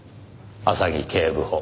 浅木警部補